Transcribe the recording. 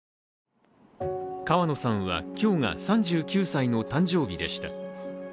川野さんは今日が３９歳の誕生日でした。